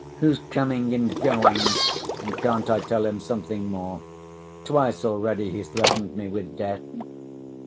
Who's coming and going?' and can't I tell him something more. Twice already he's threatened me with death."